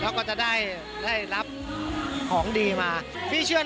การเดินทางปลอดภัยทุกครั้งในฝั่งสิทธิ์ที่หนูนะคะ